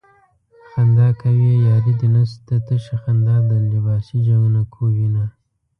خندا کوې ياري دې نشته تشه خندا د لباسې جنکو وينه